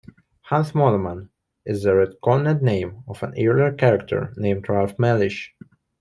"Hans Moleman" is the retconned name of an earlier character named "Ralph Melish".